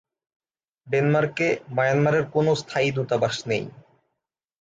ডেনমার্কে, মায়ানমারের কোন স্থায়ী দূতাবাস নেই।